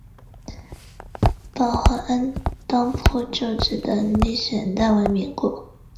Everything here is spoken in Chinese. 宝和按当铺旧址的历史年代为民国。